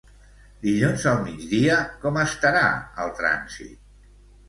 Dilluns al migdia com estarà el trànsit?